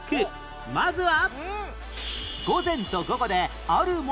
まずは